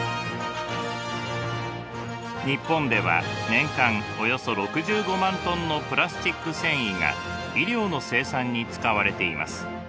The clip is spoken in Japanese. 日本では年間およそ６５万ｔのプラスチック繊維が衣料の生産に使われています。